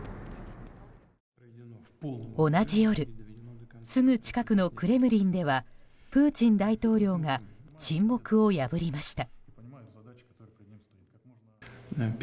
同じ夜すぐ近くのクレムリンではプーチン大統領が沈黙を破りました。